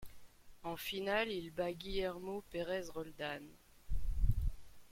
En finale, il bat Guillermo Pérez Roldán.